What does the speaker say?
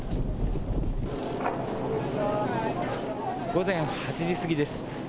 午前８時過ぎです。